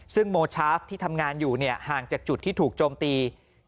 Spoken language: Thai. ซึ่งโมชาฟที่ทำงานอยู่ห่างจากจุดที่ถูกโจมตี